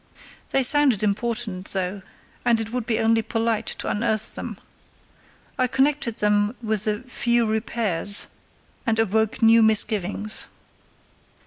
They sounded important, though, and it would be only polite to unearth them. I connected them with the "few repairs," and awoke new misgivings.